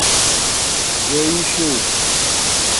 جوݵیشو